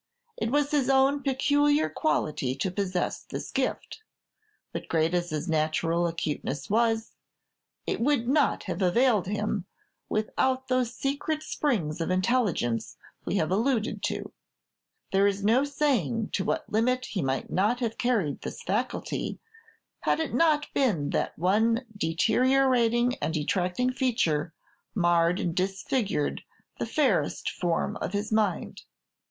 It was his own peculiar quality to possess this gift; but great as his natural acuteness was, it would not have availed him, without those secret springs of intelligence we have alluded to. There is no saying to what limit he might not have carried this faculty, had it not been that one deteriorating and detracting feature marred and disfigured the fairest form of his mind.